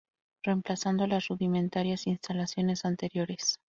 Reemplazando las rudimentarias instalaciones anteriores.